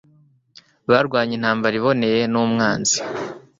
Barwanye intambara iboneye n'umwanzi.